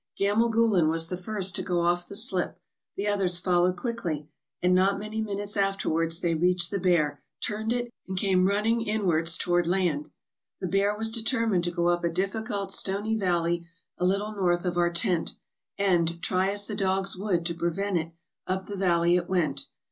'Gam melgulen' was the first to go off the slip, the others followed quickly, and not many minutes afterwards they reached the bear, turned it, and came running inwards towards land. "The bear was determined to go up a difficult stony valley a little north of our tent, and, try as the dogs would to prevent it, up the valley it went.